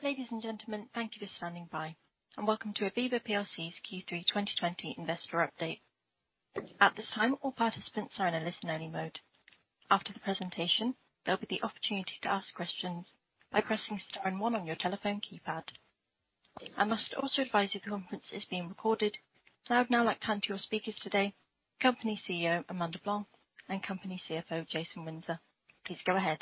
Ladies and gentlemen, thank you for standing by, and welcome to Aviva PLC's Q3 2020 Investor Update. At this time, all participants are in a listen-only mode. After the presentation, there'll be the opportunity to ask questions by pressing Star and 1 on your telephone keypad. I must also advise you the conference is being recorded. So I would now like to hand to your speakers today, company CEO Amanda Blanc and company CFO Jason Windsor. Please go ahead.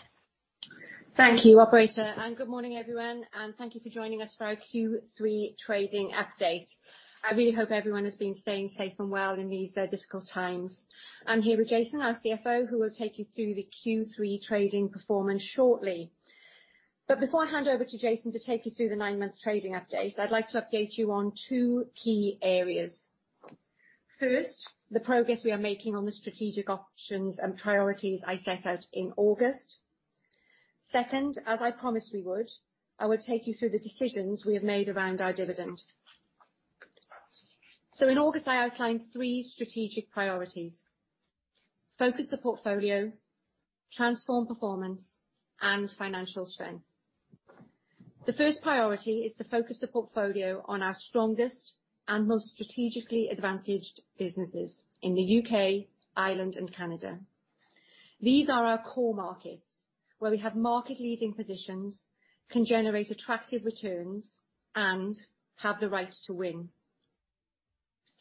Thank you, Operator, and good morning, everyone, and thank you for joining us for our Q3 trading update. I really hope everyone has been staying safe and well in these difficult times. I'm here with Jason, our CFO, who will take you through the Q3 trading performance shortly. But before I hand over to Jason to take you through the nine-month trading update, I'd like to update you on two key areas. First, the progress we are making on the strategic options and priorities I set out in August. Second, as I promised we would, I will take you through the decisions we have made around our dividend. So in August, I outlined three strategic priorities: focus the portfolio, transform performance, and financial strength. The first priority is to focus the portfolio on our strongest and most strategically advantaged businesses in the UK, Ireland, and Canada. These are our core markets, where we have market-leading positions, can generate attractive returns, and have the right to win.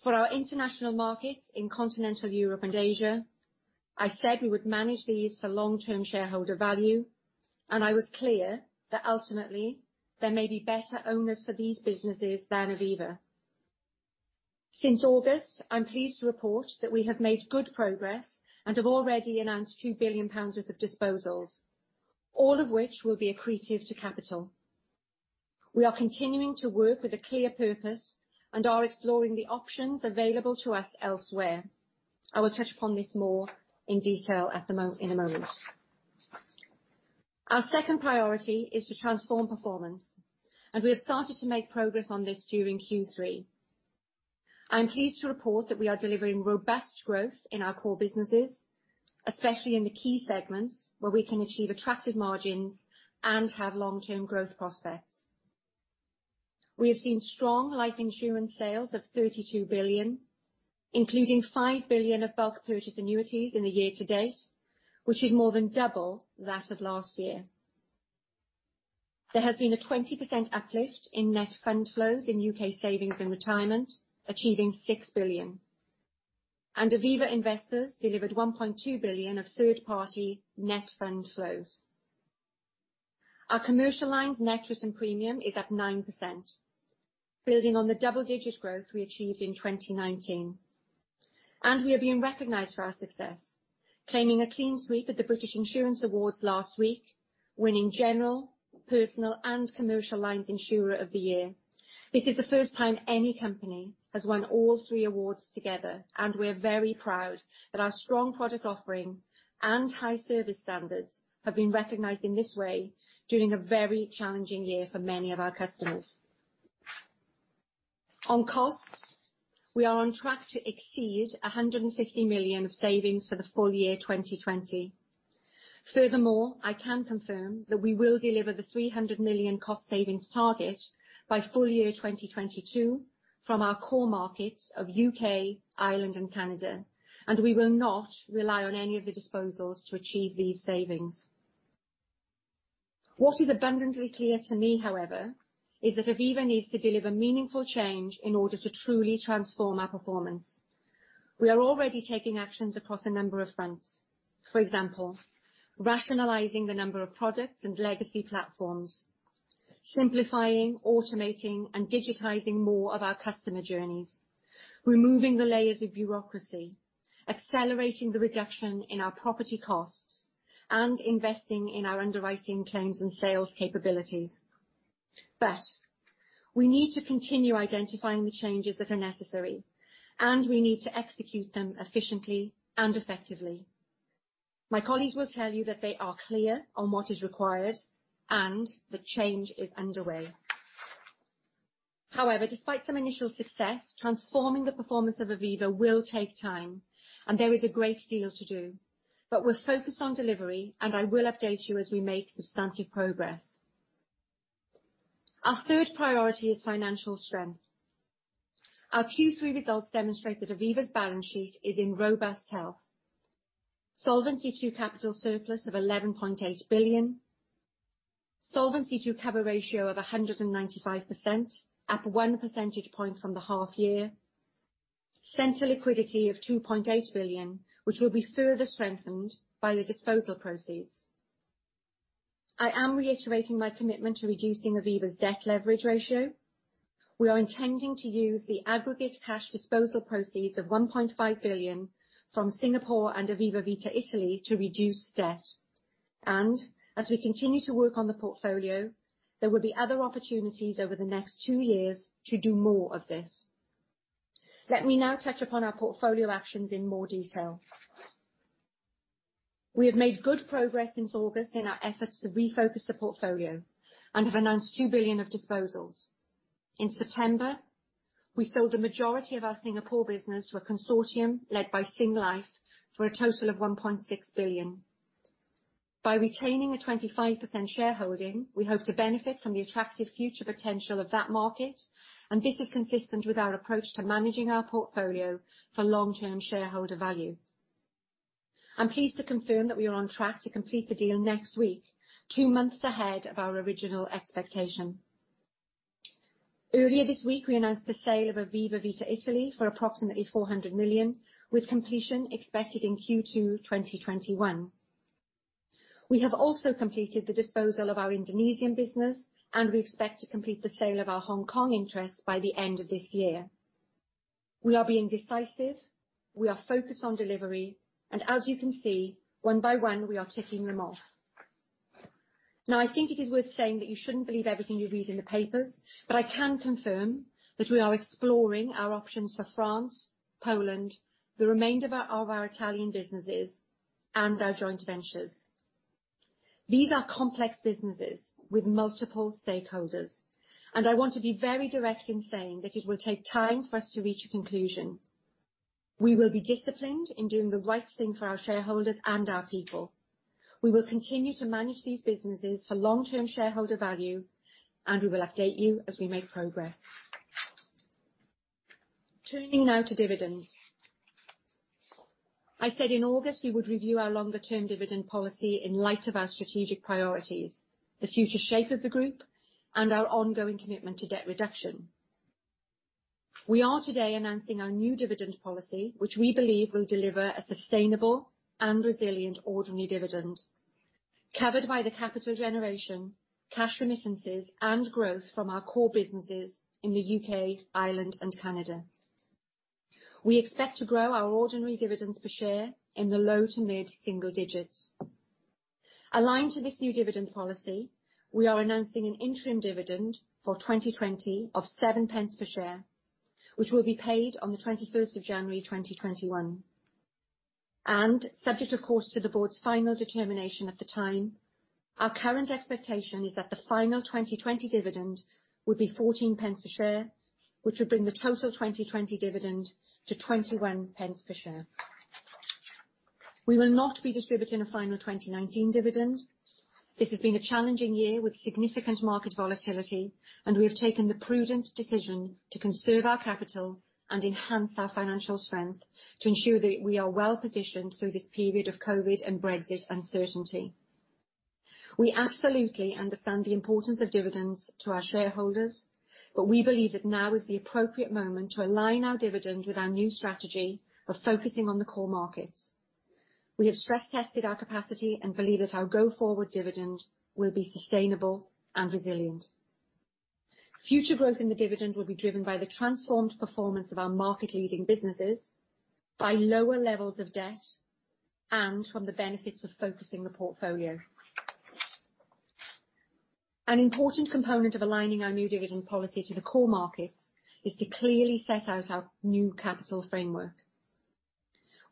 For our international markets in continental Europe and Asia, I said we would manage these for long-term shareholder value, and I was clear that ultimately there may be better owners for these businesses than Aviva. Since August, I'm pleased to report that we have made good progress and have already announced 2 billion pounds worth of disposals, all of which will be accretive to capital. We are continuing to work with a clear purpose and are exploring the options available to us elsewhere. I will touch upon this more in detail in a moment. Our second priority is to transform performance, and we have started to make progress on this during Q3. I'm pleased to report that we are delivering robust growth in our core businesses, especially in the key segments where we can achieve attractive margins and have long-term growth prospects. We have seen strong life insurance sales of £32 billion, including £5 billion of Bulk Purchase Annuities in the year to date, which is more than double that of last year. There has been a 20% uplift in net fund flows in UK savings and retirement, achieving £6 billion, and Aviva Investors delivered £1.2 billion of third-party net fund flows. Our commercial line's net written premium is at 9%, building on the double-digit growth we achieved in 2019. We have been recognized for our success, claiming a clean sweep at the British Insurance Awards last week, winning General, Personal, and Commercial Lines Insurer of the Year. This is the first time any company has won all three awards together, and we are very proud that our strong product offering and high service standards have been recognized in this way during a very challenging year for many of our customers. On costs, we are on track to exceed 150 million of savings for the full year 2020. Furthermore, I can confirm that we will deliver the 300 million cost savings target by full year 2022 from our core markets of UK, Ireland, and Canada, and we will not rely on any of the disposals to achieve these savings. What is abundantly clear to me, however, is that Aviva needs to deliver meaningful change in order to truly transform our performance. We are already taking actions across a number of fronts. For example, rationalizing the number of products and legacy platforms, simplifying, automating, and digitizing more of our customer journeys, removing the layers of bureaucracy, accelerating the reduction in our property costs, and investing in our underwriting, claims, and sales capabilities. But we need to continue identifying the changes that are necessary, and we need to execute them efficiently and effectively. My colleagues will tell you that they are clear on what is required, and the change is underway. However, despite some initial success, transforming the performance of Aviva will take time, and there is a great deal to do. But we're focused on delivery, and I will update you as we make substantive progress. Our third priority is financial strength. Our Q3 results demonstrate that Aviva's balance sheet is in robust health: Solvency II capital surplus of £11.8 billion, Solvency cover ratio of 195%, up one percentage point from the half year, central liquidity of £2.8 billion, which will be further strengthened by the disposal proceeds. I am reiterating my commitment to reducing Aviva's debt leverage ratio. We are intending to use the aggregate cash disposal proceeds of £1.5 billion from Singapore and Aviva Vita Italy to reduce debt. As we continue to work on the portfolio, there will be other opportunities over the next two years to do more of this. Let me now touch upon our portfolio actions in more detail. We have made good progress since August in our efforts to refocus the portfolio and have announced £2 billion of disposals. In September, we sold the majority of our Singapore business to a consortium led by Singlife for a total of 1.6 billion. By retaining a 25% shareholding, we hope to benefit from the attractive future potential of that market, and this is consistent with our approach to managing our portfolio for long-term shareholder value. I'm pleased to confirm that we are on track to complete the deal next week, two months ahead of our original expectation. Earlier this week, we announced the sale of Aviva Vita Italy for approximately 400 million, with completion expected in Q2 2021. We have also completed the disposal of our Indonesian business, and we expect to complete the sale of our Hong Kong interest by the end of this year. We are being decisive. We are focused on delivery, and as you can see, one by one, we are ticking them off. Now, I think it is worth saying that you shouldn't believe everything you read in the papers, but I can confirm that we are exploring our options for France, Poland, the remainder of our Italian businesses, and our joint ventures. These are complex businesses with multiple stakeholders, and I want to be very direct in saying that it will take time for us to reach a conclusion. We will be disciplined in doing the right thing for our shareholders and our people. We will continue to manage these businesses for long-term shareholder value, and we will update you as we make progress. Turning now to dividends, I said in August we would review our longer-term dividend policy in light of our strategic priorities, the future shape of the group, and our ongoing commitment to debt reduction. We are today announcing our new dividend policy, which we believe will deliver a sustainable and resilient ordinary dividend, covered by the capital generation, cash remittances, and growth from our core businesses in the UK, Ireland, and Canada. We expect to grow our ordinary dividends per share in the low to mid single digits. Aligned to this new dividend policy, we are announcing an interim dividend for 2020 of £0.07 per share, which will be paid on the 21st of January 2021. Subject, of course, to the board's final determination at the time, our current expectation is that the final 2020 dividend would be £0.14 per share, which would bring the total 2020 dividend to £0.21 per share. We will not be distributing a final 2019 dividend. This has been a challenging year with significant market volatility, and we have taken the prudent decision to conserve our capital and enhance our financial strength to ensure that we are well positioned through this period of COVID and Brexit uncertainty. We absolutely understand the importance of dividends to our shareholders, but we believe that now is the appropriate moment to align our dividend with our new strategy of focusing on the core markets. We have stress-tested our capacity and believe that our go-forward dividend will be sustainable and resilient. Future growth in the dividend will be driven by the transformed performance of our market-leading businesses, by lower levels of debt, and from the benefits of focusing the portfolio. An important component of aligning our new dividend policy to the core markets is to clearly set out our new capital framework.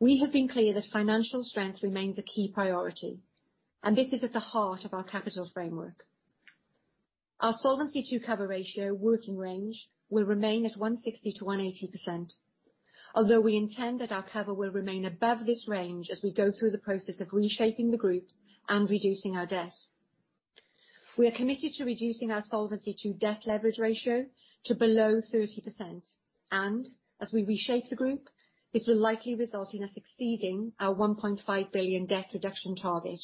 We have been clear that financial strength remains a key priority, and this is at the heart of our capital framework. Our solvency cover ratio working range will remain at 160%-180%, although we intend that our cover will remain above this range as we go through the process of reshaping the group and reducing our debt. We are committed to reducing our solvency-to-debt leverage ratio to below 30%, and as we reshape the group, this will likely result in us exceeding our £1.5 billion debt reduction target.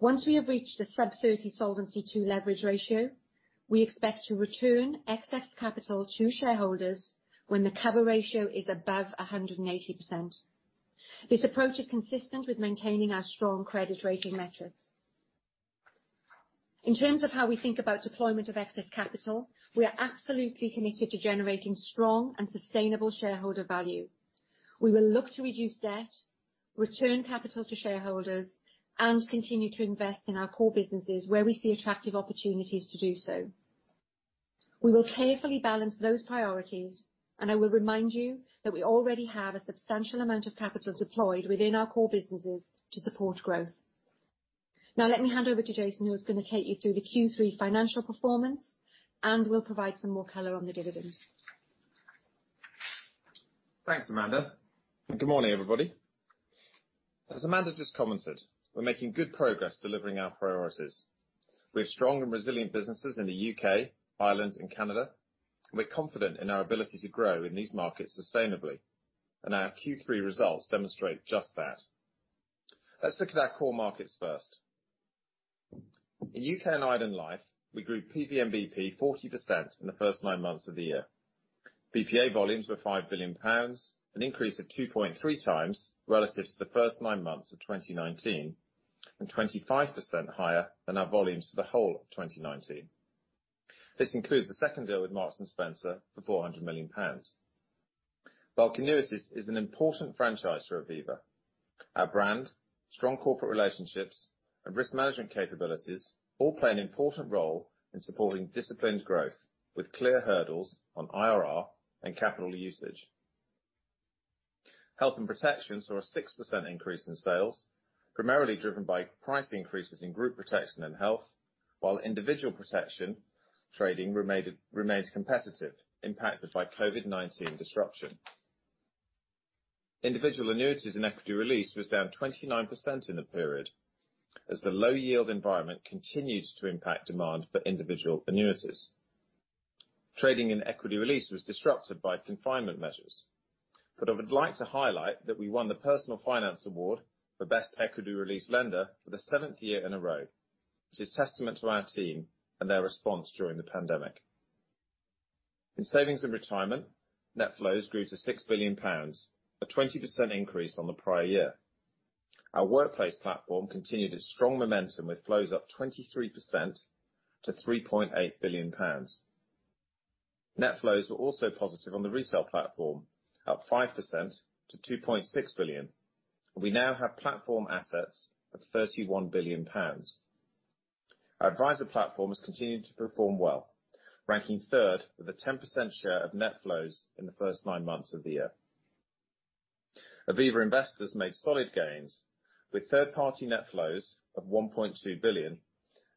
Once we have reached the sub-30 solvency-to-debt leverage ratio, we expect to return excess capital to shareholders when the cover ratio is above 180%. This approach is consistent with maintaining our strong credit rating metrics. In terms of how we think about deployment of excess capital, we are absolutely committed to generating strong and sustainable shareholder value. We will look to reduce debt, return capital to shareholders, and continue to invest in our core businesses where we see attractive opportunities to do so. We will carefully balance those priorities, and I will remind you that we already have a substantial amount of capital deployed within our core businesses to support growth. Now, let me hand over to Jason, who is going to take you through the Q3 financial performance and will provide some more color on the dividend. Thanks, Amanda. Good morning, everybody. As Amanda just commented, we're making good progress delivering our priorities. We have strong and resilient businesses in the UK, Ireland, and Canada, and we're confident in our ability to grow in these markets sustainably, and our Q3 results demonstrate just that. Let's look at our core markets first. In UK and Ireland life, we grew PVNBP 40% in the first nine months of the year. BPA volumes were 5 billion pounds, an increase of 2.3 times relative to the first nine months of 2019, and 25% higher than our volumes for the whole of 2019. This includes the second deal with Marks & Spencer for 400 million pounds. Bulk annuities is an important franchise for Aviva. Our brand, strong corporate relationships, and risk management capabilities all play an important role in supporting disciplined growth with clear hurdles on IRR and capital usage. Health and protection saw a 6% increase in sales, primarily driven by price increases in group protection and health, while individual protection trading remained competitive, impacted by COVID-19 disruption. Individual annuities and equity release was down 29% in the period as the low-yield environment continued to impact demand for individual annuities. Trading and equity release was disrupted by confinement measures, but I would like to highlight that we won the Personal Finance Award for Best Equity Release Lender for the seventh year in a row, which is testament to our team and their response during the pandemic. In savings and retirement, net flows grew to 6 billion pounds, a 20% increase on the prior year. Our workplace platform continued its strong momentum with flows up 23% to 3.8 billion pounds. Net flows were also positive on the retail platform, up 5% to 2.6 billion, and we now have platform assets of 31 billion pounds. Our adviser platform has continued to perform well, ranking third with a 10% share of net flows in the first nine months of the year. Aviva Investors made solid gains with third-party net flows of 1.2 billion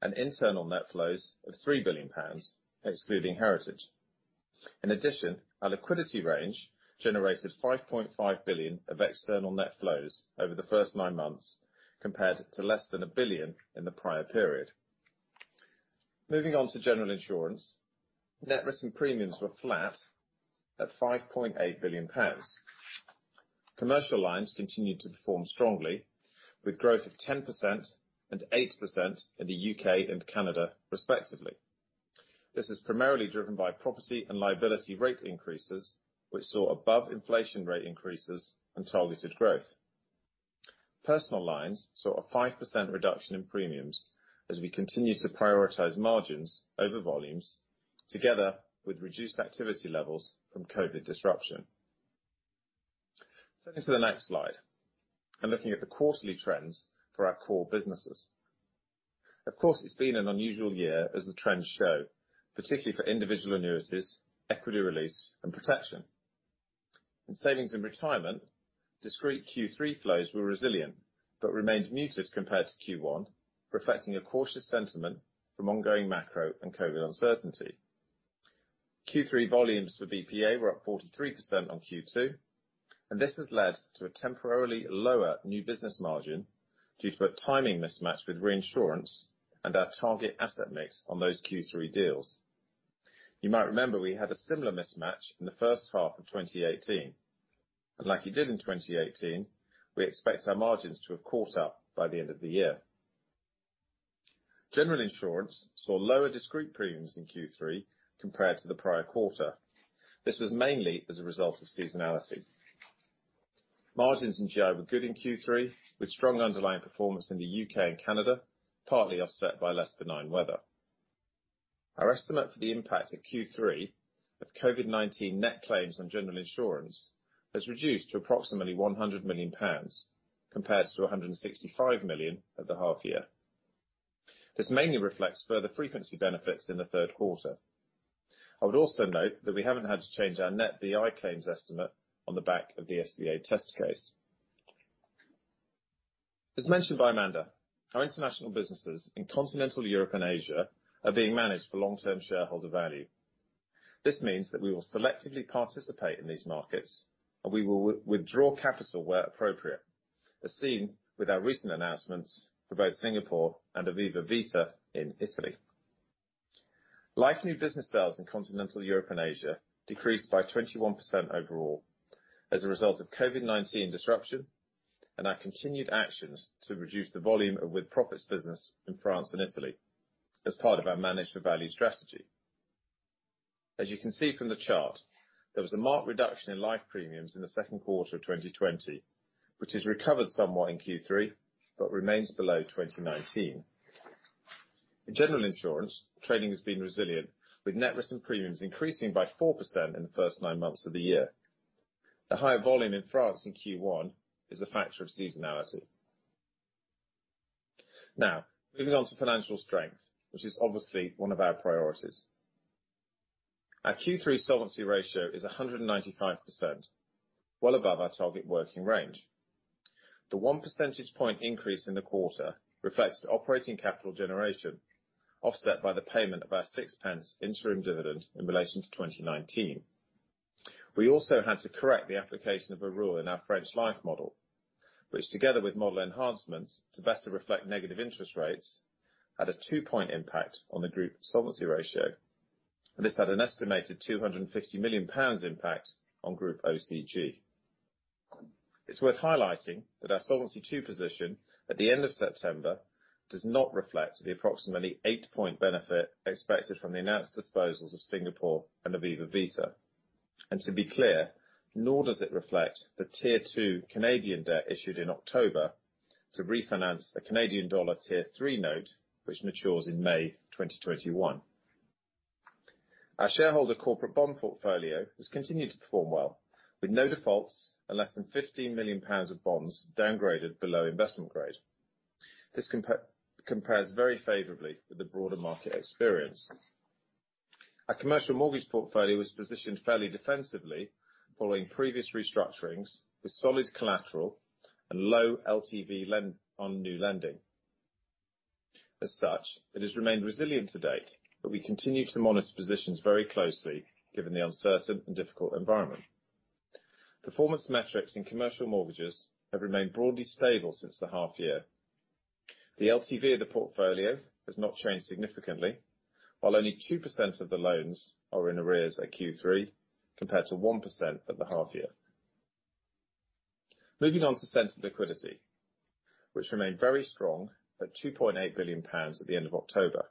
and internal net flows of 3 billion pounds, excluding heritage. In addition, our liquidity range generated 5.5 billion of external net flows over the first nine months, compared to less than 1 billion in the prior period. Moving on to general insurance, net written premiums were flat at 5.8 billion pounds. Commercial lines continued to perform strongly, with growth of 10% and 8% in the UK and Canada, respectively. This was primarily driven by property and liability rate increases, which saw above inflation rate increases and targeted growth. Personal lines saw a 5% reduction in premiums as we continued to prioritize margins over volumes, together with reduced activity levels from COVID disruption. Turning to the next slide and looking at the quarterly trends for our core businesses. Of course, it's been an unusual year, as the trends show, particularly for individual annuities, equity release, and protection. In savings and retirement, discrete Q3 flows were resilient but remained muted compared to Q1, reflecting a cautious sentiment from ongoing macro and COVID uncertainty. Q3 volumes for BPA were up 43% on Q2, and this has led to a temporarily lower new business margin due to a timing mismatch with reinsurance and our target asset mix on those Q3 deals. You might remember we had a similar mismatch in the first half of 2018, and like we did in 2018, we expect our margins to have caught up by the end of the year. General insurance saw lower discrete premiums in Q3 compared to the prior quarter. This was mainly as a result of seasonality. Margins in GI were good in Q3, with strong underlying performance in the UK and Canada, partly offset by less benign weather. Our estimate for the impact of Q3 of COVID-19 net claims on general insurance has reduced to approximately £100 million compared to £165 million at the half year. This mainly reflects further frequency benefits in the third quarter. I would also note that we haven't had to change our net BI claims estimate on the back of the FCA test case. As mentioned by Amanda, our international businesses in continental Europe and Asia are being managed for long-term shareholder value. This means that we will selectively participate in these markets, and we will withdraw capital where appropriate, as seen with our recent announcements for both Singapore and Aviva Vita in Italy. Life and new business sales in continental Europe and Asia decreased by 21% overall as a result of COVID-19 disruption and our continued actions to reduce the volume of with profits business in France and Italy as part of our managed value strategy. As you can see from the chart, there was a marked reduction in life premiums in the second quarter of 2020, which has recovered somewhat in Q3 but remains below 2019. In general insurance, trading has been resilient, with net risk and premiums increasing by 4% in the first nine months of the year. The higher volume in France in Q1 is a factor of seasonality. Now, moving on to financial strength, which is obviously one of our priorities. Our Q3 solvency ratio is 195%, well above our target working range. The one percentage point increase in the quarter reflects the operating capital generation, offset by the payment of our £0.06 interim dividend in relation to 2019. We also had to correct the application of a rule in our French life model, which, together with model enhancements to better reflect negative interest rates, had a two-point impact on the group solvency ratio. This had an estimated £250 million impact on group OCG. It's worth highlighting that our Solvency II position at the end of September does not reflect the approximately eight-point benefit expected from the announced disposals of Singapore and Aviva Vita. And to be clear, nor does it reflect the tier two Canadian debt issued in October to refinance the Canadian dollar tier three note, which matures in May 2021. Our shareholder corporate bond portfolio has continued to perform well, with no defaults and less than £15 million of bonds downgraded below investment grade. This compares very favorably with the broader market experience. Our commercial mortgage portfolio was positioned fairly defensively following previous restructurings with solid collateral and low LTV on new lending. As such, it has remained resilient to date, but we continue to monitor positions very closely given the uncertain and difficult environment. Performance metrics in commercial mortgages have remained broadly stable since the half year. The LTV of the portfolio has not changed significantly, while only 2% of the loans are in arrears at Q3 compared to 1% at the half year. Moving on to central liquidity, which remained very strong at £2.8 billion at the end of October.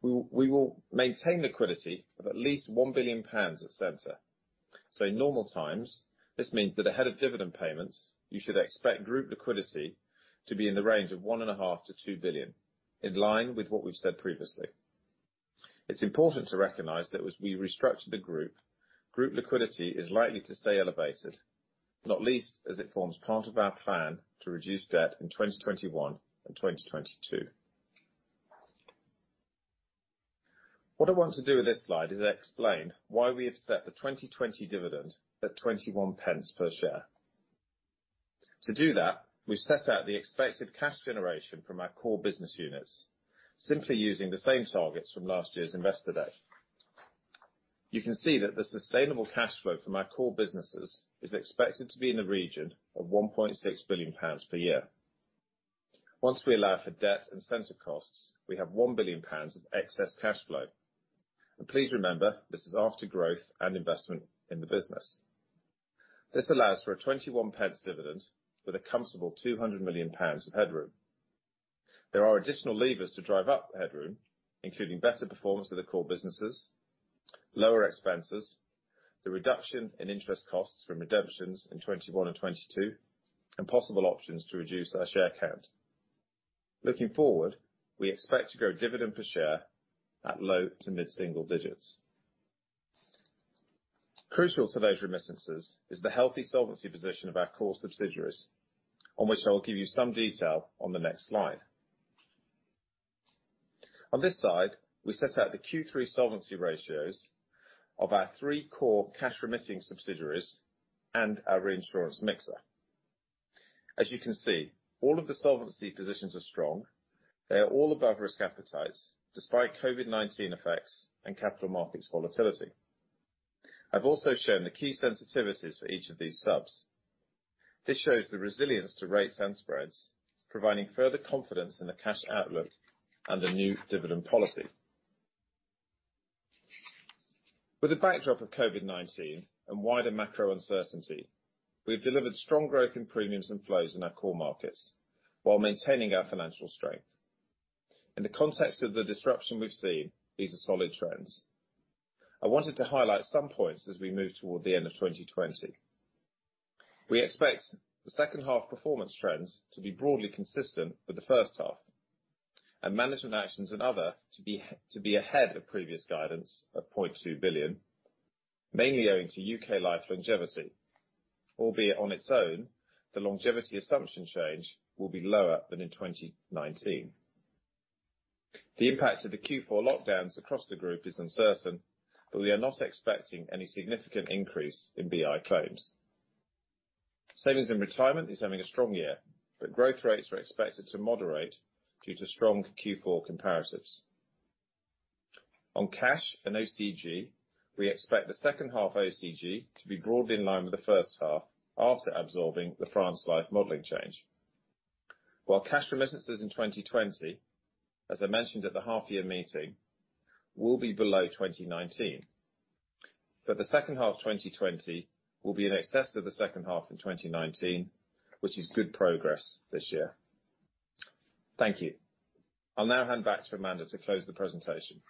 We will maintain liquidity of at least £1 billion at central. In normal times, this means that ahead of dividend payments, you should expect group liquidity to be in the range of 1.5-2 billion, in line with what we've said previously. It's important to recognize that as we restructure the group, group liquidity is likely to stay elevated, not least as it forms part of our plan to reduce debt in 2021 and 2022. What I want to do with this slide is explain why we have set the 2020 dividend at 0.21 per share. To do that, we've set out the expected cash generation from our core business units, simply using the same targets from last year's investor day. You can see that the sustainable cash flow from our core businesses is expected to be in the region of 1.6 billion pounds per year. Once we allow for debt and center costs, we have 1 billion pounds of excess cash flow. Please remember, this is after growth and investment in the business. This allows for a 0.21 dividend with a comfortable 200 million pounds of headroom. There are additional levers to drive up the headroom, including better performance of the core businesses, lower expenses, the reduction in interest costs from redemptions in 2021 and 2022, and possible options to reduce our share count. Looking forward, we expect to grow dividend per share at low to mid-single digits. Crucial to those remittances is the healthy solvency position of our core subsidiaries, on which I will give you some detail on the next slide. On this slide, we set out the Q3 solvency ratios of our three core cash remitting subsidiaries and our reinsurance mixer. As you can see, all of the solvency positions are strong. They are all above risk appetites, despite COVID-19 effects and capital markets volatility. I've also shown the key sensitivities for each of these subs. This shows the resilience to rates and spreads, providing further confidence in the cash outlook and the new dividend policy. With the backdrop of COVID-19 and wider macro uncertainty, we've delivered strong growth in premiums and flows in our core markets while maintaining our financial strength. In the context of the disruption we've seen, these are solid trends. I wanted to highlight some points as we move toward the end of 2020. We expect the second half performance trends to be broadly consistent with the first half, and management actions and other to be ahead of previous guidance of 0.2 billion, mainly owing to UK life longevity. Albeit on its own, the longevity assumption change will be lower than in 2019. The impact of the Q4 lockdowns across the group is uncertain, but we are not expecting any significant increase in BI claims. Savings and retirement is having a strong year, but growth rates are expected to moderate due to strong Q4 comparatives. On cash and OCG, we expect the second half OCG to be broadly in line with the first half after absorbing the France life modeling change. While cash remittances in 2020, as I mentioned at the half-year meeting, will be below 2019, but the second half 2020 will be in excess of the second half in 2019, which is good progress this year. Thank you. I'll now hand back to Amanda to close the presentation.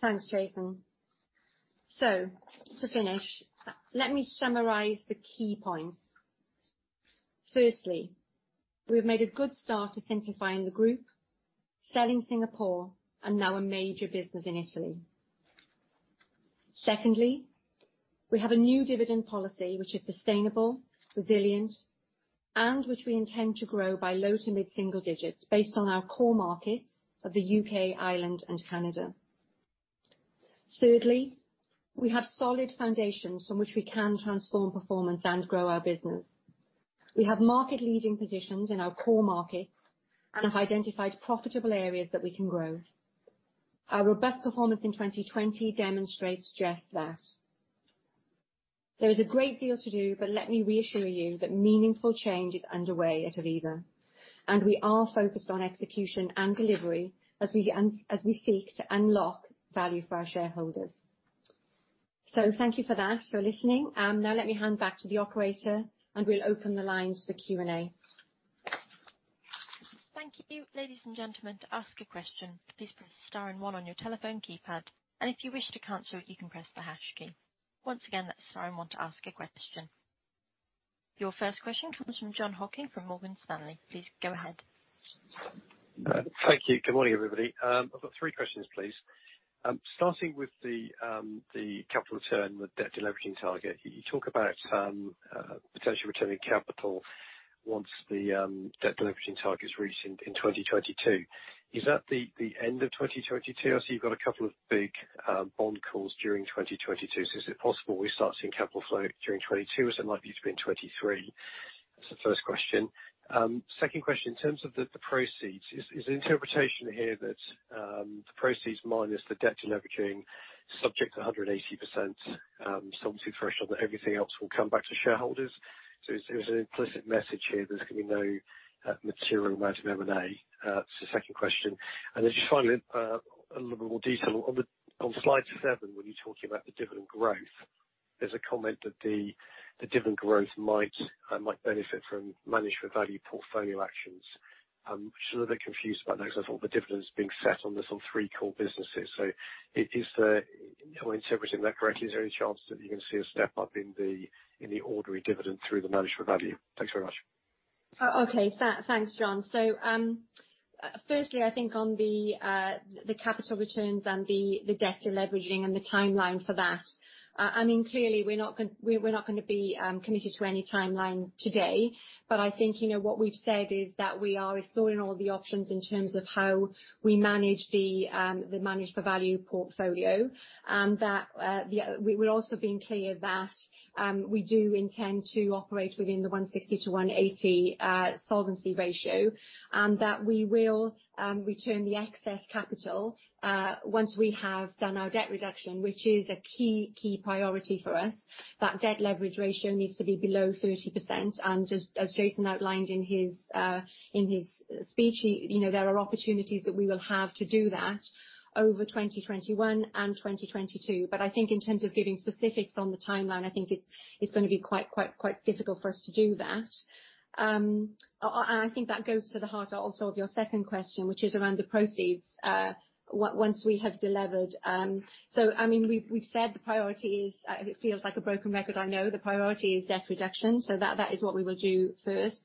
Thanks, Jason. So, to finish, let me summarize the key points. Firstly, we've made a good start to simplifying the group, selling Singapore, and now a major business in Italy.Secondly, we have a new dividend policy which is sustainable, resilient, and which we intend to grow by low to mid-single digits based on our core markets of the UK, Ireland, and Canada. Thirdly, we have solid foundations from which we can transform performance and grow our business. We have market-leading positions in our core markets and have identified profitable areas that we can grow. Our robust performance in 2020 demonstrates just that. There is a great deal to do, but let me reassure you that meaningful change is underway at Aviva, and we are focused on execution and delivery as we seek to unlock value for our shareholders. So, thank you for that, for listening. Now, let me hand back to the operator, and we'll open the lines for Q&A. Thank you, ladies and gentlemen. To ask a question, please press star and one on your telephone keypad. And if you wish to cancel it, you can press the hash key. Once again, that's star and one to ask a question. Your first question comes from Jon Hocking from Morgan Stanley. Please go ahead. Thank you. Good morning, everybody. I've got three questions, please. Starting with the capital return and the debt delivery target, you talk about potentially returning capital once the debt delivery target is reached in 2022. Is that the end of 2022? I see you've got a couple of big bond calls during 2022. So, is it possible we start seeing capital flow during 2022, as it might need to be in 2023? That's the first question. Second question, in terms of the proceeds, is the interpretation here that the proceeds minus the debt delivery subject to 180% solvency threshold, that everything else will come back to shareholders? So, is there an implicit message here that there's going to be no material amount of M&A? That's the second question. And then just finally, a little bit more detail. On slide seven, when you're talking about the dividend growth, there's a comment that the dividend growth might benefit from management value portfolio actions. I'm a little bit confused about that because I thought the dividend is being set on three core businesses. So, is the, am I interpreting that correctly? Is there any chance that you're going to see a step up in the ordinary dividend through the management value? Thanks very much. Okay. Thanks, John. So, firstly, I think on the capital returns and the debt delivery and the timeline for that, I mean, clearly, we're not going to be committed to any timeline today. But I think what we've said is that we are exploring all the options in terms of how we manage the managed value portfolio. We're also being clear that we do intend to operate within the 160%-180% solvency ratio and that we will return the excess capital once we have done our debt reduction, which is a key priority for us. That debt leverage ratio needs to be below 30%. As Jason outlined in his speech, there are opportunities that we will have to do that over 2021 and 2022. But I think in terms of giving specifics on the timeline, I think it's going to be quite difficult for us to do that. I think that goes to the heart also of your second question, which is around the proceeds once we have delivered. So, I mean, we've said the priority is. It feels like a broken record, I know. The priority is debt reduction. So, that is what we will do first.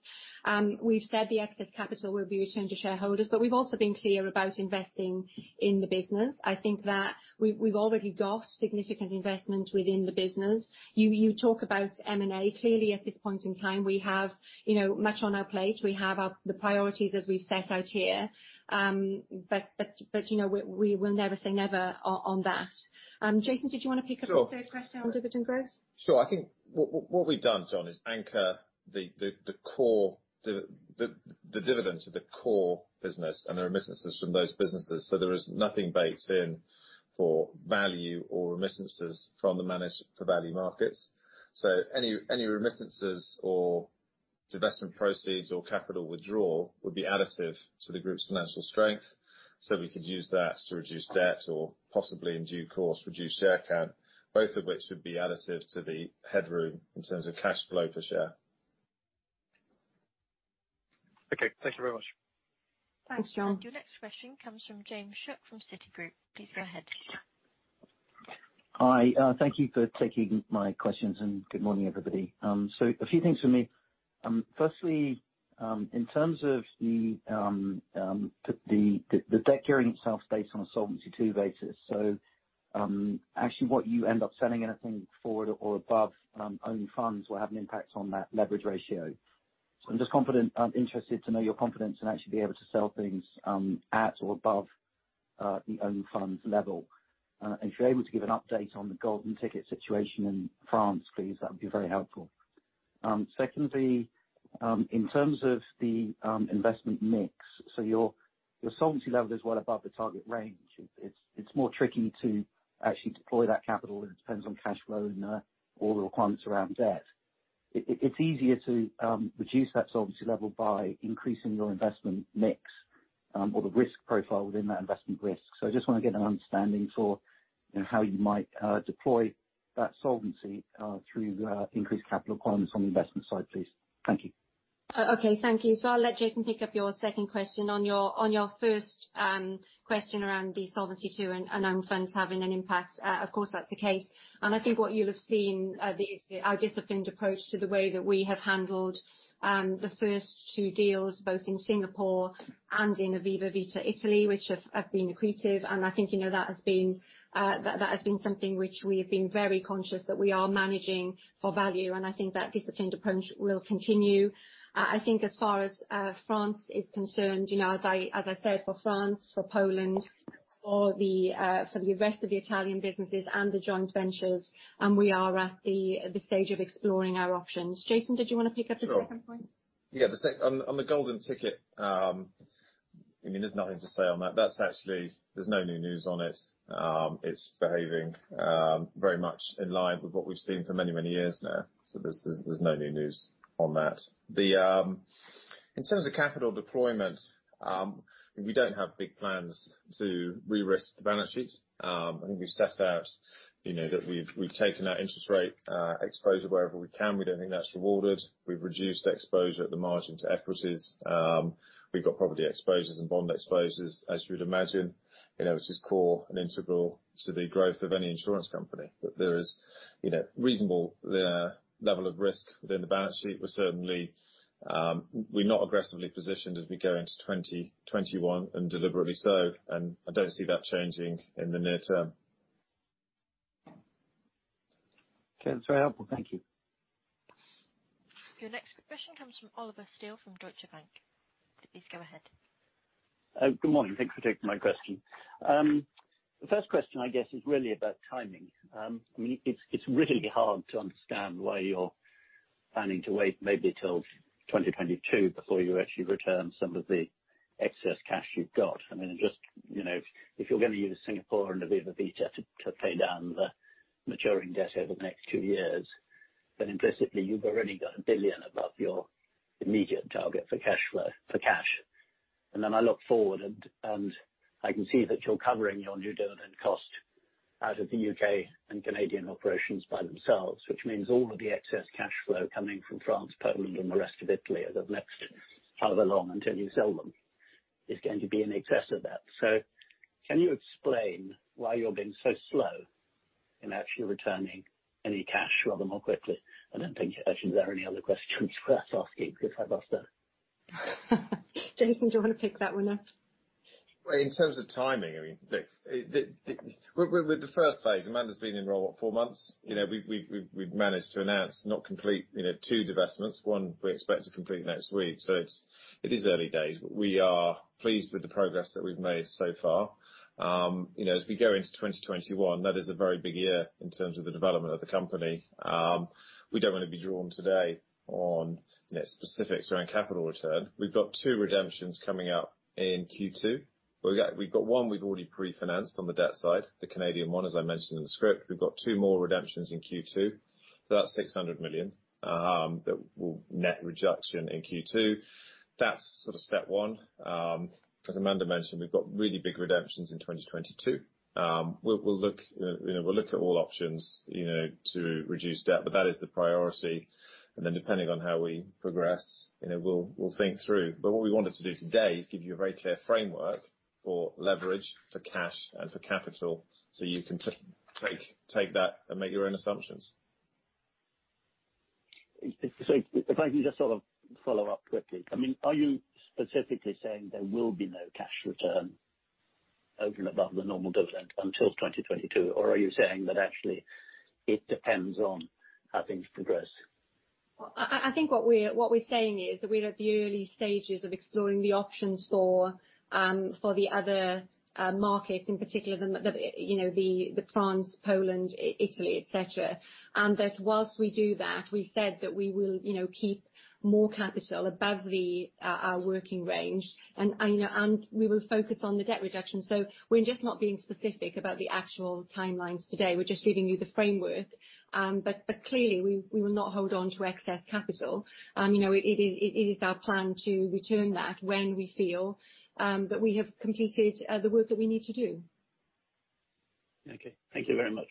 We've said the excess capital will be returned to shareholders, but we've also been clear about investing in the business. I think that we've already got significant investment within the business. You talk about M&A. Clearly, at this point in time, we have much on our plate. We have the priorities as we've set out here. But we will never say never on that. Jason, did you want to pick up the third question on dividend growth? Sure. I think what we've done, Jon, is anchor the dividend to the core business and the remittances from those businesses. So, there is nothing baked in for value or remittances from the managed value markets. So, any remittances or divestment proceeds or capital withdrawal would be additive to the group's financial strength. So, we could use that to reduce debt or possibly, in due course, reduce share count, both of which would be additive to the headroom in terms of cash flow per share. Okay. Thank you very much. Thanks, John.Your next question comes from James Shuck from Citigroup. Please go ahead. Hi. Thank you for taking my questions. And good morning, everybody. So, a few things for me. Firstly, in terms of the debt carrying itself based on a Solvency II basis, so actually, what you end up selling anything forward or above owned funds will have an impact on that leverage ratio. So, I'm interested to know your confidence and actually be able to sell things at or above the owned funds level. If you're able to give an update on the golden ticket situation in France, please, that would be very helpful. Secondly, in terms of the investment mix, your solvency level is well above the target range. It's more tricky to actually deploy that capital if it depends on cash flow and all the requirements around debt. It's easier to reduce that solvency level by increasing your investment mix or the risk profile within that investment mix. I just want to get an understanding for how you might deploy that solvency through increased capital requirements on the investment side, please. Thank you. Okay. Thank you. I'll let Jason pick up your second question on your first question around the Solvency II and own funds having an impact. Of course, that's the case. And I think what you'll have seen is our disciplined approach to the way that we have handled the first two deals, both in Singapore and in Aviva Vita Italy, which have been accretive. And I think that has been something which we have been very conscious that we are managing for value. And I think that disciplined approach will continue. I think as far as France is concerned, as I said, for France, for Poland, for the rest of the Italian businesses and the joint ventures, we are at the stage of exploring our options. Jason, did you want to pick up the second point? Yeah. On the golden ticket, I mean, there's nothing to say on that. There's no new news on it. It's behaving very much in line with what we've seen for many, many years now. So, there's no new news on that. In terms of capital deployment, we don't have big plans to re-risk the balance sheet. I think we've set out that we've taken our interest rate exposure wherever we can. We don't think that's rewarded. We've reduced exposure at the margin to equities. We've got property exposures and bond exposures, as you would imagine, which is core and integral to the growth of any insurance company. But there is a reasonable level of risk within the balance sheet. We're not aggressively positioned as we go into 2021, and deliberately so. And I don't see that changing in the near term. Okay. That's very helpful. Thank you. Your next question comes from Ollie Steele from Deutsche Bank. Please go ahead. Good morning. Thanks for taking my question. The first question, I guess, is really about timing.I mean, it's really hard to understand why you're planning to wait maybe till 2022 before you actually return some of the excess cash you've got. I mean, just if you're going to use Singapore and Aviva Vita to pay down the maturing debt over the next two years, then implicitly, you've already got 1 billion above your immediate target for cash. And then I look forward, and I can see that you're covering your new dividend cost out of the UK and Canadian operations by themselves, which means all of the excess cash flow coming from France, Poland, and the rest of Italy over the next however long until you sell them is going to be in excess of that. So, can you explain why you're being so slow in actually returning any cash rather more quickly? I don't think actually there are any other questions worth asking because I've asked that. Jason, do you want to pick that one up? Well, in terms of timing, I mean, with the first phase, Amanda's been in role what, 4 months? We've managed to announce not complete 2 divestments. 1 we expect to complete next week. So, it is early days. We are pleased with the progress that we've made so far. As we go into 2021, that is a very big year in terms of the development of the company. We don't want to be drawn today on specifics around capital return. We've got 2 redemptions coming up in Q2. We've got 1 we've already pre-financed on the debt side, the Canadian one, as I mentioned in the script. We've got 2 more redemptions in Q2. So, that's 600 million net reduction in Q2. That's sort of step one. As Amanda mentioned, we've got really big redemptions in 2022. We'll look at all options to reduce debt, but that is the priority. Then depending on how we progress, we'll think through. But what we wanted to do today is give you a very clear framework for leverage, for cash, and for capital, so you can take that and make your own assumptions. So, if I can just sort of follow up quickly. I mean, are you specifically saying there will be no cash return over and above the normal dividend until 2022, or are you saying that actually it depends on how things progress? I think what we're saying is that we're at the early stages of exploring the options for the other markets, in particular France, Poland, Italy, etc., and that whilst we do that, we said that we will keep more capital above our working range, and we will focus on the debt reduction. So, we're just not being specific about the actual timelines today. We're just giving you the framework. But clearly, we will not hold on to excess capital. It is our plan to return that when we feel that we have completed the work that we need to do. Okay. Thank you very much.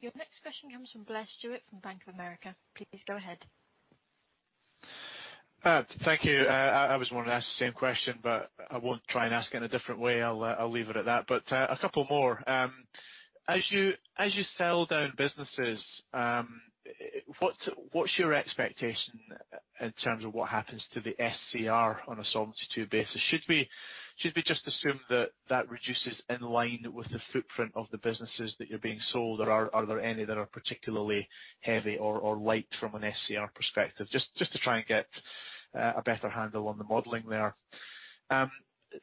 Your next question comes from Blair Stewart from Bank of America. Please go ahead. Thank you. I was wanting to ask the same question, but I won't try and ask it in a different way. I'll leave it at that. But a couple more. As you sell down businesses, what's your expectation in terms of what happens to the SCR on a Solvency II basis? Should we just assume that that reduces in line with the footprint of the businesses that you're being sold, or are there any that are particularly heavy or light from an SCR perspective? Just to try and get a better handle on the modeling there.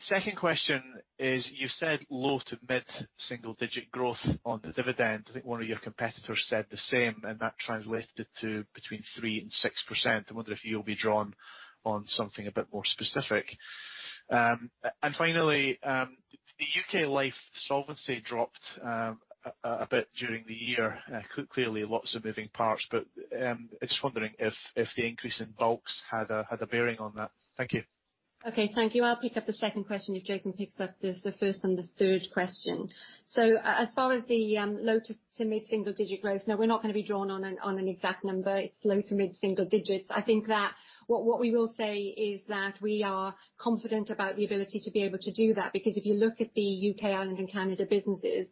Second question is, you said low to mid single-digit growth on the dividend. I think one of your competitors said the same, and that translated to between 3% and 6%. I wonder if you'll be drawn on something a bit more specific. And finally, the UK life solvency dropped a bit during the year. Clearly, lots of moving parts, but I'm just wondering if the increase in bulks had a bearing on that. Thank you. Okay. Thank you. I'll pick up the second question. If Jason picks up the first and the third question. So, as far as the low- to mid-single-digit growth, no, we're not going to be drawn on an exact number. It's low- to mid-single digits. I think that what we will say is that we are confident about the ability to be able to do that because if you look at the UK, Ireland, and Canada businesses,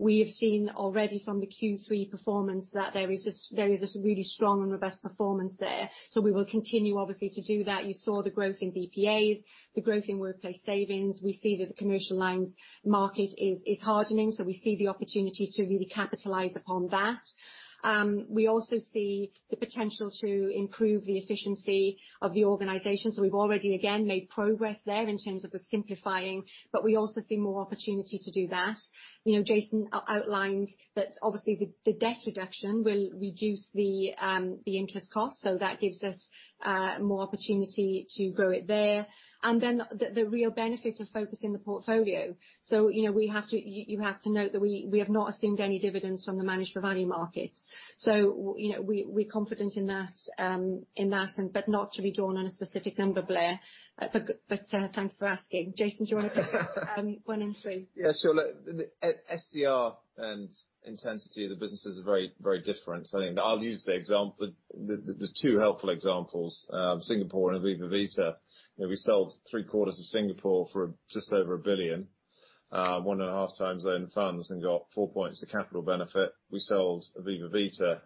we have seen already from the Q3 performance that there is a really strong and robust performance there. So, we will continue, obviously, to do that. You saw the growth in BPAs, the growth in workplace savings. We see that the commercial lines market is hardening. So, we see the opportunity to really capitalize upon that. We also see the potential to improve the efficiency of the organization. So, we've already, again, made progress there in terms of the simplifying, but we also see more opportunity to do that. Jason outlined that, obviously, the debt reduction will reduce the interest cost. So, that gives us more opportunity to grow it there. And then the real benefit of focusing the portfolio. So, you have to note that we have not assumed any dividends from the managed value markets. So, we're confident in that, but not to be drawn on a specific number, Blair. But thanks for asking. Jason, do you want to pick up 1 and 3? Yeah. So, at SCR and intensity, the businesses are very different. I'll use the two helpful examples, Singapore and Aviva Vita. We sold three-quarters of Singapore for just over 1 billion, 1.5 times owned funds, and got 4 points of capital benefit. We sold Aviva Vita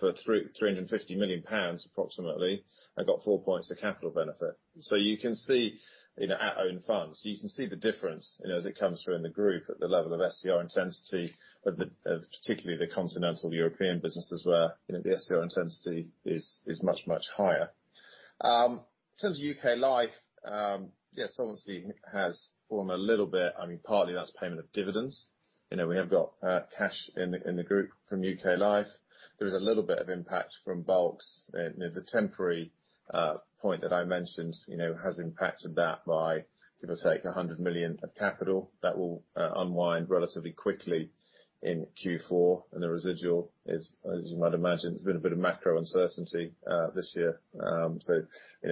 for 350 million pounds, approximately, and got 4 points of capital benefit. So, you can see at owned funds, you can see the difference as it comes through in the group at the level of SCR intensity, particularly the continental European businesses where the SCR intensity is much, much higher. In terms of UK life, yeah, solvency has fallen a little bit. I mean, partly, that's payment of dividends. We have got cash in the group from UK life. There is a little bit of impact from bulks. The temporary point that I mentioned has impacted that by, give or take, 100 million of capital. That will unwind relatively quickly in Q4. And the residual is, as you might imagine, there's been a bit of macro uncertainty this year. So,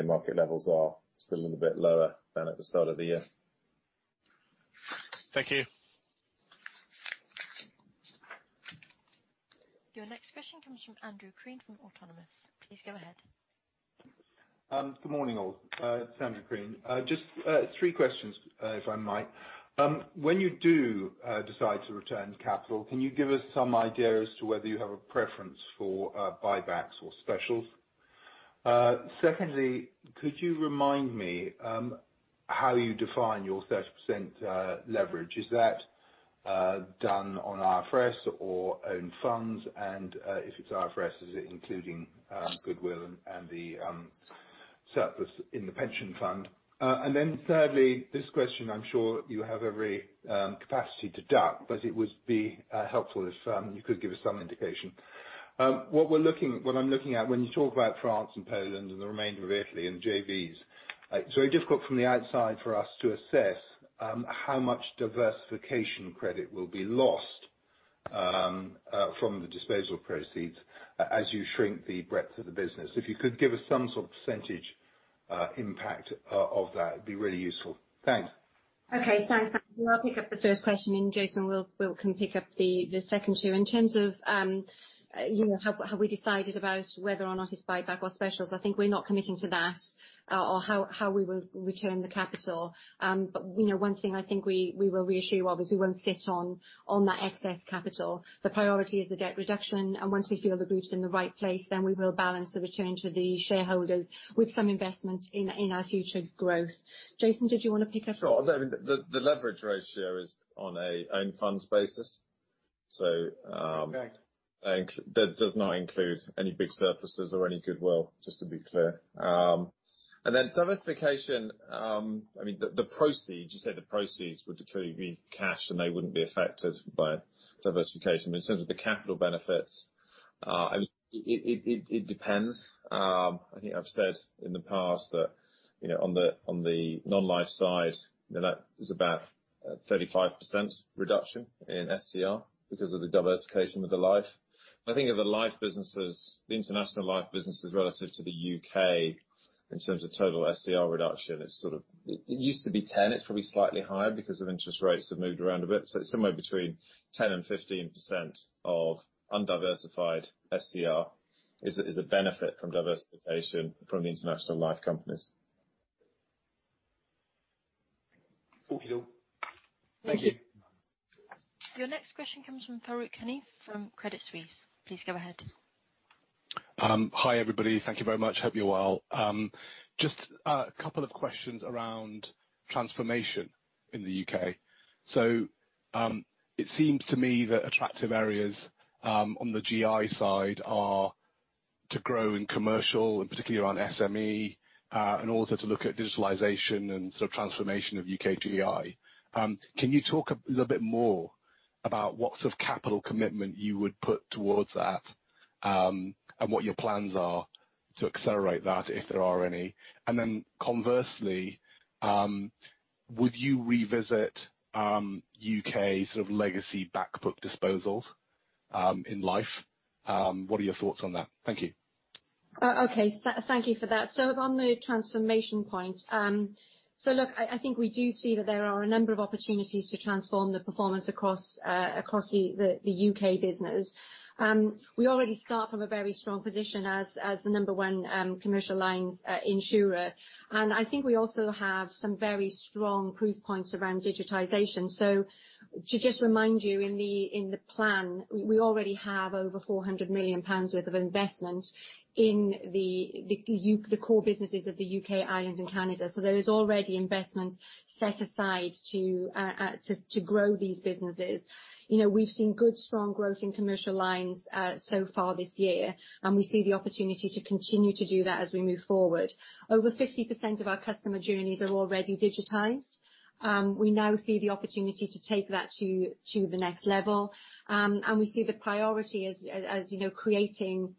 market levels are still a little bit lower than at the start of the year. Thank you. Your next question comes from Andrew Crean from Autonomous. Please go ahead. Good morning, all. It's Andrew Crean. Just three questions, if I might. When you do decide to return capital, can you give us some idea as to whether you have a preference for buybacks or specials? Secondly, could you remind me how you define your 30% leverage? Is that done on IFRS or owned funds? And if it's IFRS, is it including Goodwill and the surplus in the pension fund? And then thirdly, this question, I'm sure you have every capacity to duck, but it would be helpful if you could give us some indication. What I'm looking at when you talk about France and Poland and the remainder of Italy and JVs, it's very difficult from the outside for us to assess how much diversification credit will be lost from the disposal proceeds as you shrink the breadth of the business. If you could give us some sort of percentage impact of that, it'd be really useful. Thanks. Okay. Thanks. I'll pick up the first question, and Jason can pick up the second two. In terms of how we decided about whether or not it's buyback or specials, I think we're not committing to that or how we will return the capital. But one thing I think we will reassure you of is we won't sit on that excess capital. The priority is the debt reduction. Once we feel the group's in the right place, then we will balance the return to the shareholders with some investment in our future growth. Jason, did you want to pick up? Sure. The leverage ratio is on an own funds basis. So, that does not include any big surpluses or any goodwill, just to be clear. And then diversification, I mean, the proceeds, you said the proceeds would clearly be cash, and they wouldn't be affected by diversification. But in terms of the capital benefits, I mean, it depends. I think I've said in the past that on the non-life side, that is about a 35% reduction in SCR because of the diversification with the life. I think of the life businesses, the international life businesses relative to the U.K., in terms of total SCR reduction, it's sort of it used to be 10. It's probably slightly higher because interest rates have moved around a bit. So, somewhere between 10%-15% of undiversified SCR is a benefit from diversification from the international life companies. Thank you. Your next question comes from Farooq Hanif from Credit Suisse. Please go ahead. Hi, everybody. Thank you very much. Hope you're well. Just a couple of questions around transformation in the UK. So, it seems to me that attractive areas on the GI side are to grow in commercial, and particularly around SME, and also to look at digitalization and sort of transformation of UK GI. Can you talk a little bit more about what sort of capital commitment you would put towards that and what your plans are to accelerate that, if there are any? And then conversely, would you revisit UK sort of legacy backbook disposals in life? What are your thoughts on that? Thank you. Okay. Thank you for that. So, on the transformation point, so look, I think we do see that there are a number of opportunities to transform the performance across the UK business. We already start from a very strong position as the number one commercial lines insurer. And I think we also have some very strong proof points around digitization. So, to just remind you, in the plan, we already have over £400 million worth of investment in the core businesses of the UK, Ireland, and Canada. So, there is already investment set aside to grow these businesses. We've seen good, strong growth in commercial lines so far this year, and we see the opportunity to continue to do that as we move forward. Over 50% of our customer journeys are already digitized. We now see the opportunity to take that to the next level. We see the priority, as you know, creating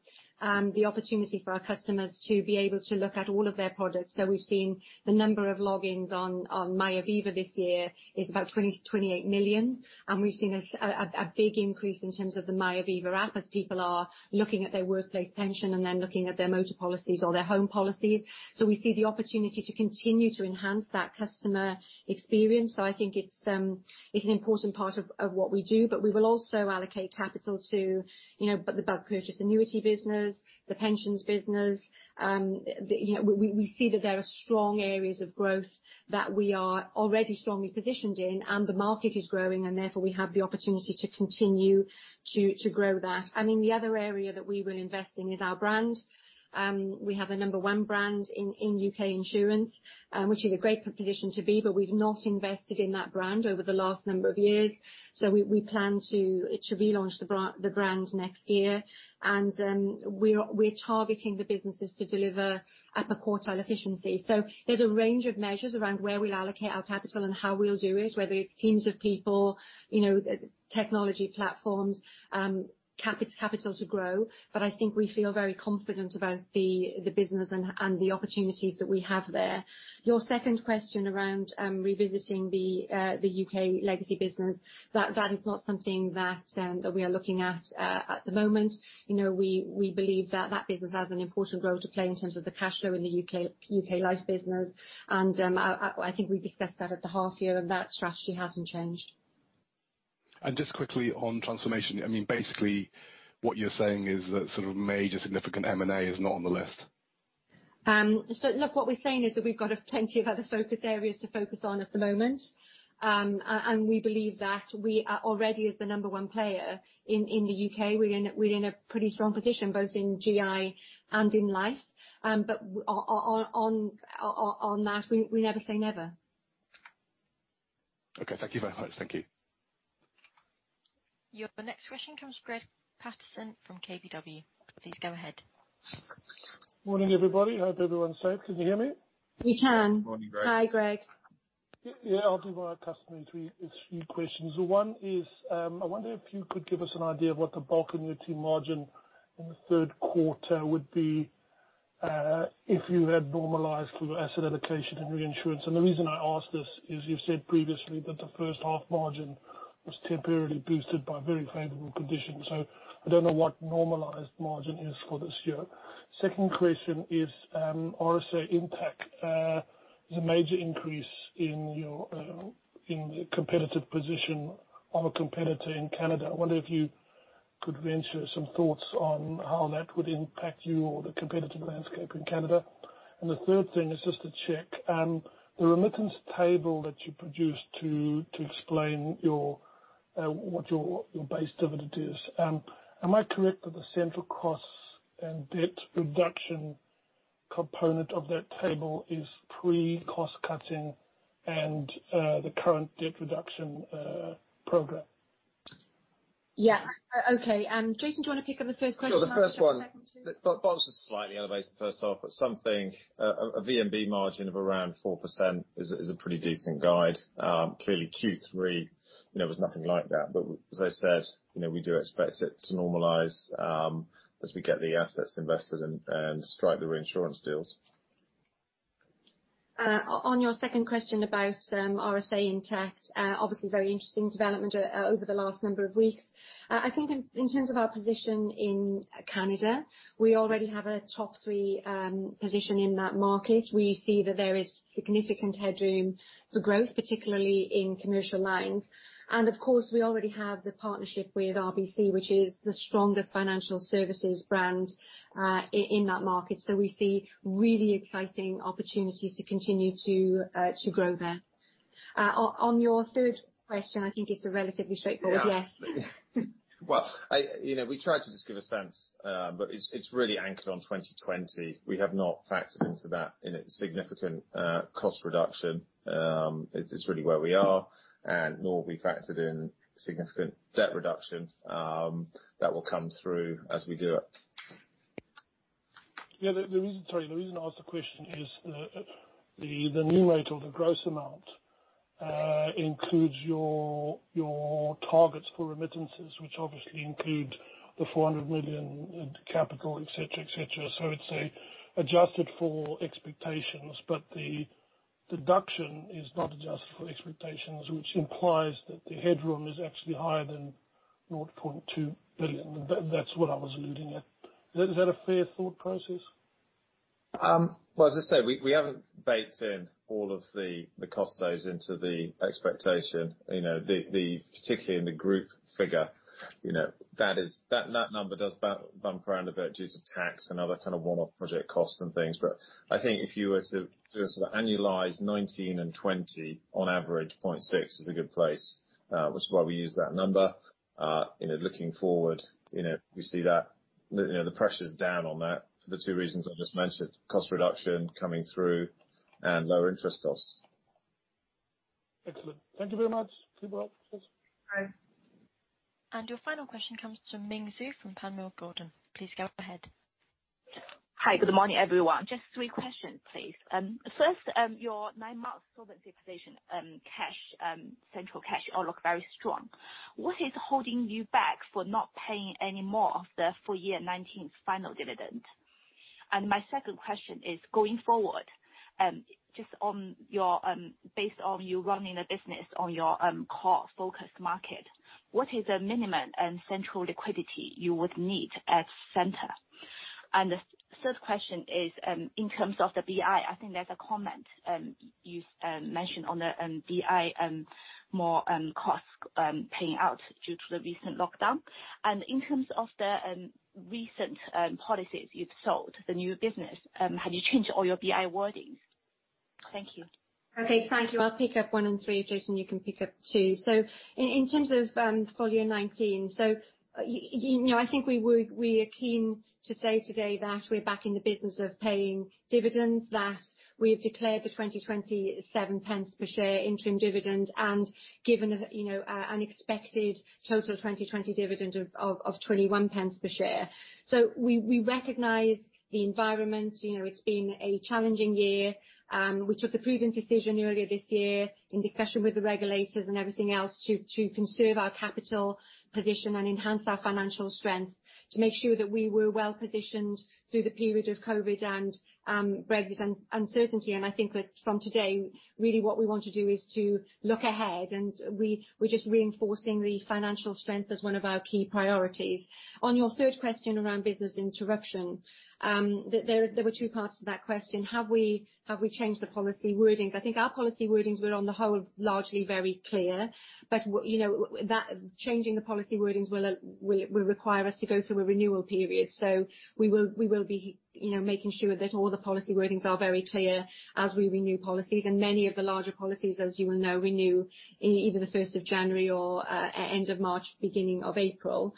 the opportunity for our customers to be able to look at all of their products. We've seen the number of logins on MyAviva this year is about 28 million. We've seen a big increase in terms of the MyAviva app as people are looking at their workplace pension and then looking at their motor policies or their home policies. We see the opportunity to continue to enhance that customer experience. I think it's an important part of what we do. But we will also allocate capital to the bulk purchase annuity business, the pensions business. We see that there are strong areas of growth that we are already strongly positioned in, and the market is growing, and therefore we have the opportunity to continue to grow that. I mean, the other area that we will invest in is our brand. We have a number one brand in U.K. insurance, which is a great position to be, but we've not invested in that brand over the last number of years. So, we plan to relaunch the brand next year. And we're targeting the businesses to deliver upper quartile efficiency. So, there's a range of measures around where we'll allocate our capital and how we'll do it, whether it's teams of people, technology platforms, capital to grow. But I think we feel very confident about the business and the opportunities that we have there. Your second question around revisiting the U.K. legacy business, that is not something that we are looking at at the moment. We believe that that business has an important role to play in terms of the cash flow in the U.K. life business. I think we've discussed that at the half year, and that strategy hasn't changed. Just quickly on transformation, I mean, basically, what you're saying is that sort of major significant M&A is not on the list? So, look, what we're saying is that we've got plenty of other focus areas to focus on at the moment. And we believe that we already are the number one player in the UK. We're in a pretty strong position both in GI and in life. But on that, we never say never. Okay. Thank you very much. Thank you. Your next question comes from Greig Paterson from KBW. Please go ahead. Morning, everybody. I hope everyone's safe. Can you hear me? We can. Morning, Greig. Hi, Greig. Yeah. I'll do my customary three questions. One is, I wonder if you could give us an idea of what the bulk annuity margin in the third quarter would be if you had normalized for your asset allocation and reinsurance. And the reason I ask this is you've said previously that the first half margin was temporarily boosted by very favorable conditions. So, I don't know what normalized margin is for this year. Second question is RSA impact. There's a major increase in the competitive position of a competitor in Canada. I wonder if you could venture some thoughts on how that would impact you or the competitive landscape in Canada. And the third thing is just to check the remittance table that you produced to explain what your base dividend is. Am I correct that the central costs and debt reduction component of that table is pre-cost cutting and the current debt reduction program? Yeah. Okay. Jason, do you want to pick up the first question? Sure. The first one. But it's a slightly elevated first off. But something a VNB margin of around 4% is a pretty decent guide. Clearly, Q3, there was nothing like that. But as I said, we do expect it to normalize as we get the assets invested and strike the reinsurance deals. On your second question about RSA Intact, obviously, very interesting development over the last number of weeks. I think in terms of our position in Canada, we already have a top three position in that market. We see that there is significant headroom for growth, particularly in commercial lines. And of course, we already have the partnership with RBC, which is the strongest financial services brand in that market. So, we see really exciting opportunities to continue to grow there. On your third question, I think it's a relatively straightforward yes. Well, we tried to just give a sense, but it's really anchored on 2020. We have not factored into that in a significant cost reduction. It's really where we are, and nor have we factored in significant debt reduction that will come through as we do it. Yeah. Sorry. The reason I asked the question is the numerator, the gross amount, includes your targets for remittances, which obviously include the 400 million capital, etc., etc. So, it's adjusted for expectations, but the deduction is not adjusted for expectations, which implies that the headroom is actually higher than 0.2 billion. That's what I was alluding at. Is that a fair thought process? Well, as I say, we haven't baked in all of the costs that goes into the expectation, particularly in the group figure. That number does bump around a bit due to tax and other kind of one-off project costs and things. But I think if you were to sort of annualize 2019 and 2020 on average, 0.6 is a good place, which is why we use that number. Looking forward, we see that the pressure's down on that for the two reasons I just mentioned: cost reduction coming through and lower interest costs. Excellent. Thank you very much. Keep it up, please. Bye. And your final question comes to Ming Zhu from Panmure Gordon. Please go ahead. Hi. Good morning, everyone. Just three questions, please. First, your 9-month solvency position, cash, central cash, all look very strong. What is holding you back from not paying any more of the full year 2019 final dividend? And my second question is, going forward, just based on you running the business on your core focus market, what is the minimum central liquidity you would need at center? And the third question is, in terms of the BI, I think there's a comment you mentioned on the BI more costs paying out due to the recent lockdown. And in terms of the recent policies you've sold, the new business, have you changed all your BI wordings? Thank you. Okay. Thank you. I'll pick up one and three. Jason, you can pick up two. So, in terms of full year 2019, so I think we are keen to say today that we're back in the business of paying dividends, that we've declared the 20.7 pence per share interim dividend, and given an expected total 2020 dividend of 21 pence per share. So, we recognize the environment. It's been a challenging year. We took the prudent decision earlier this year in discussion with the regulators and everything else to conserve our capital position and enhance our financial strength to make sure that we were well positioned through the period of COVID and Brexit uncertainty. I think that from today, really what we want to do is to look ahead, and we're just reinforcing the financial strength as one of our key priorities. On your third question around business interruption, there were two parts to that question. Have we changed the policy wordings? I think our policy wordings were on the whole largely very clear, but changing the policy wordings will require us to go through a renewal period. We will be making sure that all the policy wordings are very clear as we renew policies. Many of the larger policies, as you will know, renew either the 1st of January or end of March, beginning of April.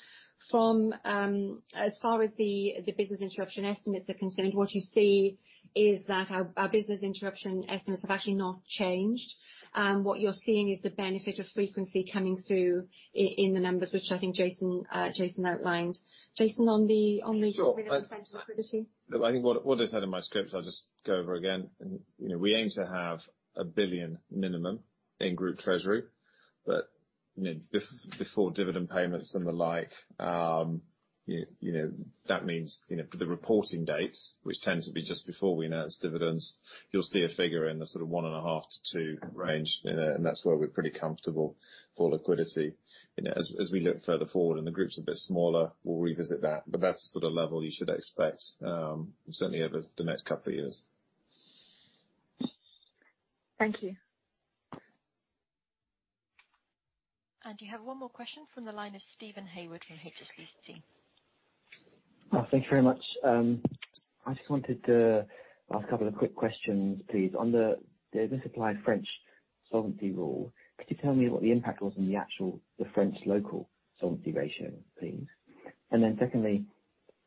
As far as the business interruption estimates are concerned, what you see is that our business interruption estimates have actually not changed. What you're seeing is the benefit of frequency coming through in the numbers, which I think Jason outlined. Jason, on the minimum central liquidity? Sure. I think what I just had in my script, I'll just go over again. We aim to have 1 billion minimum in group treasury. But before dividend payments and the like, that means the reporting dates, which tend to be just before we announce dividends, you'll see a figure in the sort of 1.5-2 range. And that's where we're pretty comfortable for liquidity. As we look further forward and the group's a bit smaller, we'll revisit that. But that's the sort of level you should expect certainly over the next couple of years. Thank you. We have one more question from the line of Steven Haywood from HSBC. Thank you very much. I just wanted to ask a couple of quick questions, please. On the medical French solvency rule, could you tell me what the impact was on the actual French local solvency ratio, please? And then secondly,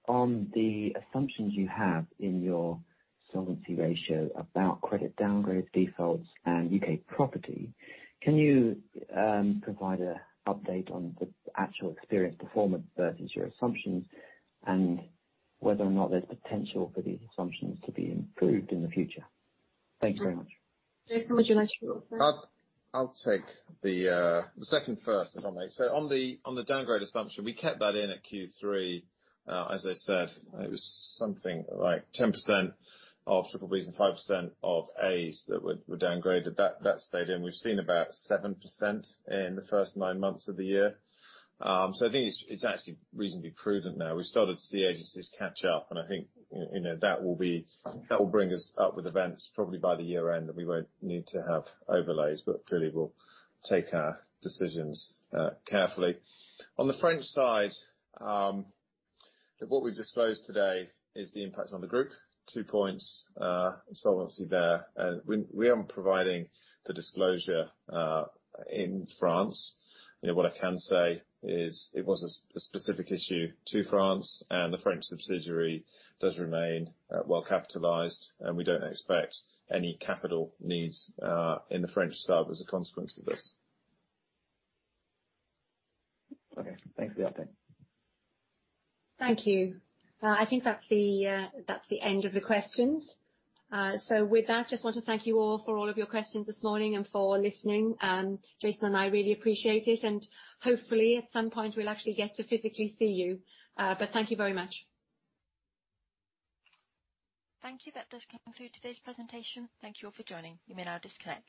on the assumptions you have in your solvency ratio about credit downgrades, defaults, and UK property, can you provide an update on the actual experience performance versus your assumptions and whether or not there's potential for these assumptions to be improved in the future? Thank you very much. Jason, would you like to go first? I'll take the second first, if I may. So, on the downgrade assumption, we kept that in at Q3, as I said. It was something like 10% of triple Bs and 5% of As that were downgraded. That stayed in. We've seen about 7% in the first nine months of the year. So, I think it's actually reasonably prudent now. We've started to see agencies catch up, and I think that will bring us up with events probably by the year end that we won't need to have overlays, but clearly will take our decisions carefully. On the French side, what we've disclosed today is the impact on the group, 2 points solvency there. And we aren't providing the disclosure in France. What I can say is it was a specific issue to France, and the French subsidiary does remain well capitalized, and we don't expect any capital needs in the French sub as a consequence of this. Okay. Thanks for the update. Thank you. I think that's the end of the questions. So, with that, just want to thank you all for all of your questions this morning and for listening. Jason and I really appreciate it. And hopefully, at some point, we'll actually get to physically see you. But thank you very much. Thank you. That does conclude today's presentation. Thank you all for joining. You may now disconnect.